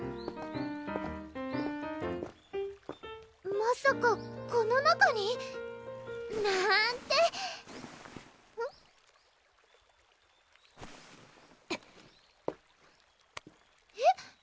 まさかこの中に？なんてえっ？